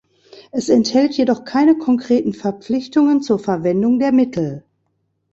Es enthält jedoch keine konkreten Verpflichtungen zur Verwendung der Mittel.